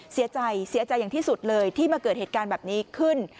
เสียใจเสียใจอย่างที่สุดเลยที่มาเกิดเหตุการณ์แบบนี้ขึ้น